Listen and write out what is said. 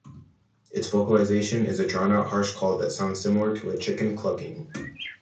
Its vocalization is a drawn-out harsh call that sounds similar to a chicken clucking.